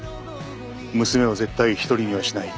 娘は絶対一人にはしない。